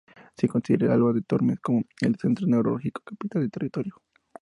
Se considera a Alba de Tormes como el centro neurálgico o capital del territorio.